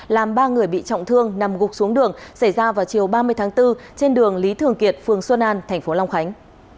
làm ba người bị trọng thương nằm gục xuống đường xảy ra vào chiều ba mươi tháng bốn trên đường lý thường kiệt phường xuân an thành phố long khánh